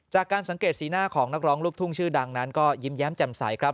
จากการสังเกตสีหน้าของนักร้องลูกทุ่งชื่อดังนั้นก็ยิ้มแย้มแจ่มใสครับ